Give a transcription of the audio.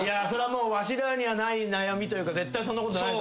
もうわしらにはない悩みというか絶対そんなことない。